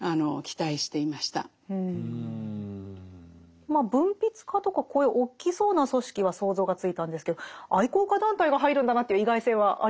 まあ文筆家とかこういう大きそうな組織は想像がついたんですけど愛好家団体が入るんだなという意外性はありますよね。